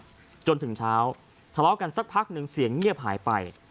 จนถึงเช้าทะเลาะกันสักพักหนึ่งเสียงเงียบหายไป